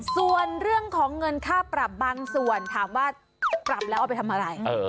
ส่วนเรื่องของเงินค่าปรับบางส่วนถามว่าปรับแล้วเอาไปทำอะไร